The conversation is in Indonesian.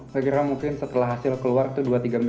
saya kira mungkin setelah hasil keluar itu dua tiga minggu